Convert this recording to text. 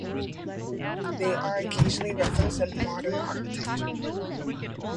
They are occasionally referenced in modern architecture.